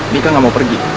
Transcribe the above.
mika gak mau pergi